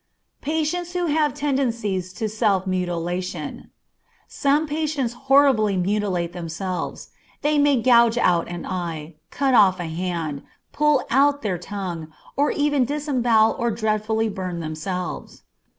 Patients Who Have Tendencies to Self Mutilation. Some patients horribly mutilate themselves. They may gouge out an eye, cut off a hand, pull out their tongue, or even disembowel or dreadfully burn themselves.